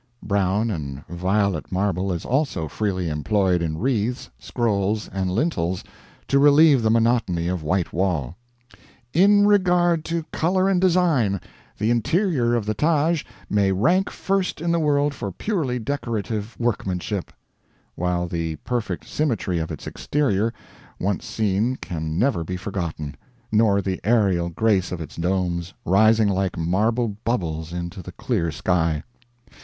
Brown and violet marble is also freely employed in wreaths, scrolls, and lintels to relieve the monotony of white wall. In regard to color and design, the interior of the Taj may rank first in the world for purely decorative workmanship; while the perfect symmetry of its exterior, once seen can never be forgotten, nor the aerial grace of its domes, rising like marble bubbles into the clear sky.